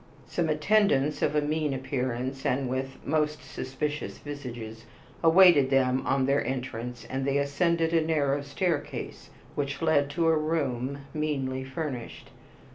Some attendants of a mean appearance, and with most suspicious visages, awaited them on their entrance, and they ascended a narrow staircase, which led to a room meanly furnished.